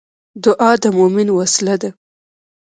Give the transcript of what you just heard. دعا د مومن وسله ده